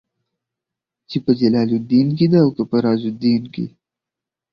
چې په جلال الدين کې ده او که په رازالدين کې.